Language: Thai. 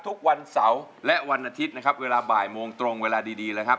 ทุกวันเสาร์และวันอาทิตย์นะครับเวลาบ่ายโมงตรงเวลาดีนะครับ